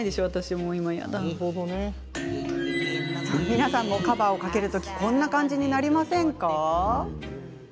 皆さんもカバーをかける時こんな感じになりませんか？